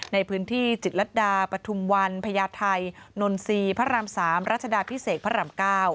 ในพื้นที่จิตรัตดาปฐุมวันพญาไทยนนทรีย์พระราม๓รัชดาพิเศษพระราม๙